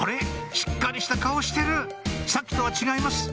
しっかりした顔してるさっきとは違います